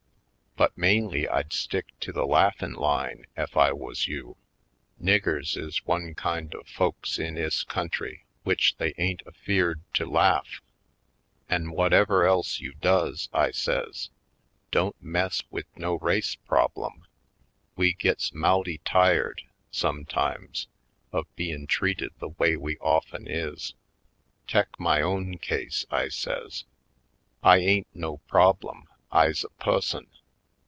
But mainly I'd stick to the laffin' line ef I wuz you — niggers is one kind of folks in 'is country w'ich they ain't afeard to laff. An' whutever else you does," I says, "don't mess wid no race prob lem. We gits mouty tired, sometimes, of bein' treated the way we of 'en is. Tek my own case," I says. "I ain't no problem, I's a pusson.